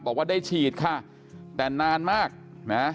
บอกว่าได้ฉีดค่ะแต่นานมากนะ